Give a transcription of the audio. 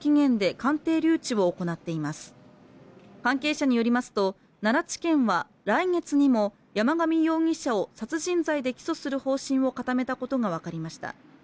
関係者によりますと、奈良地検は来月にも山上容疑者を殺人罪で起訴する方針を固めたことが分かりました。